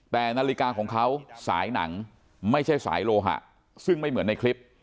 แต่นาฬิกาของเขาสายหนังไม่ใช่สายโลหะซึ่งไม่เหมือนในคลิป